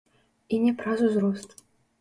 І не праз узрост.